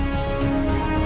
oke terima kasih pak